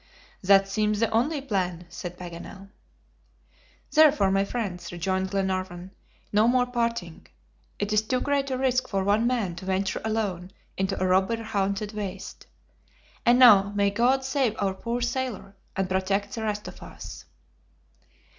"That seems the only plan," said Paganel. "Therefore, my friends," rejoined Glenarvan, "no more parting. It is too great a risk for one man to venture alone into a robber haunted waste. And now, may God save our poor sailor, and protect the rest of us!"